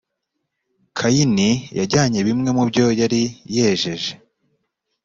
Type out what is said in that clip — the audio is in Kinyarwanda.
kayini yajyanye bimwe mu byo yari yejeje